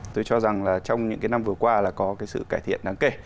tôi cho rằng là trong những cái năm vừa qua là có cái sự cải thiện đáng kể